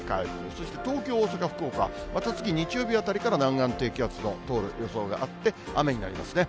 そして東京、大阪、福岡、また次、日曜日あたりから南岸低気圧の通る予想があって、雨になりますね。